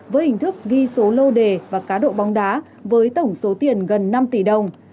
với hình thức ghi số lô đề và cá độ bóng đá với tổng số tiền gần năm tỷ đồng